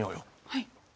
はい。